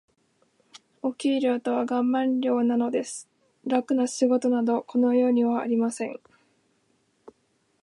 お給料とはガマン料なのです。楽な仕事など、この世にはありません。